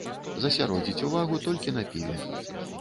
Засяродзіць увагу толькі на піве.